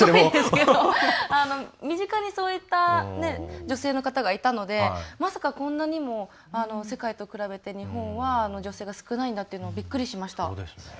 身近にそういった女性の方がいたのでまさか、こんなにも世界と比べて日本は、女性が少ないんだっていうのがびっくりしました。